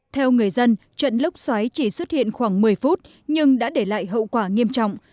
theo người dân trận lốc xoáy chỉ xuất hiện khoảng một mươi phút nhưng đã để lại hậu quả nghiêm trọng